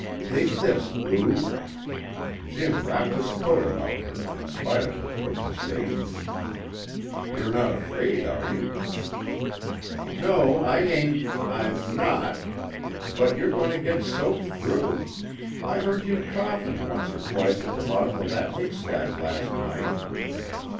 "Take this, Lou." Jim wrapped his coat about her in spite of her protestations. "You're not afraid, are you?" "No, I ain't I'm not but you're goin' to get soaked through! I heard you coughin' once or twice at the bottom of that haystack last night."